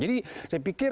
jadi saya pikir